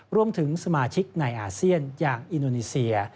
รวมถึงสมาชิกในอาเซียนอย่างอินโดนีเซีย